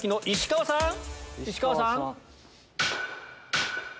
石川さん。